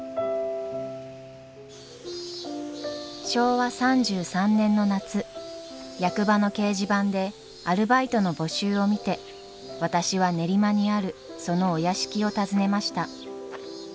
昭和３３年の夏役場の掲示板でアルバイトの募集を見て私は練馬にあるそのお屋敷を訪ねました